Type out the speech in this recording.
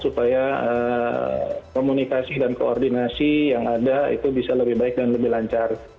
supaya komunikasi dan koordinasi yang ada itu bisa lebih baik dan lebih lancar